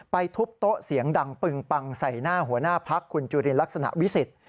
ทุบโต๊ะเสียงดังปึงปังใส่หน้าหัวหน้าพักคุณจุลินลักษณะวิสิทธิ์